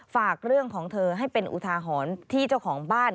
ฝากเรื่องของเธอให้เป็นอุทาหรณ์ที่เจ้าของบ้าน